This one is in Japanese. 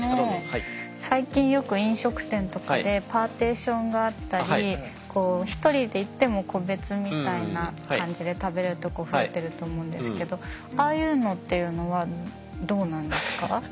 最近よく飲食店とかでパーテーションがあったり１人で行っても個別みたいな感じで食べれるとこ増えてると思うんですけどああいうのっていうのはどうなんですか？